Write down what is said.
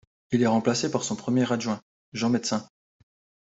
Il est remplacé par son premier adjoint, Jean Médecin.